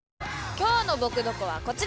今日の「ぼくドコ」はこちら！